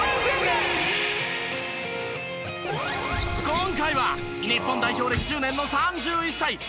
今回は日本代表歴１０年の３１歳比江島慎。